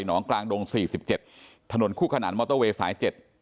น้องกลางดงสี่สิบเจ็ดถนนคู่ขนานมอเตอร์เวย์สายเจ็ด